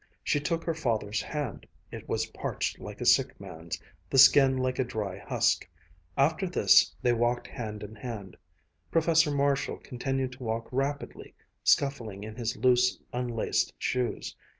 She took her father's hand. It was parched like a sick man's, the skin like a dry husk. After this, they walked hand in hand. Professor Marshall continued to walk rapidly, scuffling in his loose, unlaced shoes.